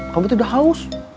kamu tidak haus